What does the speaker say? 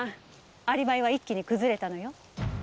アリバイは一気に崩れたのよ。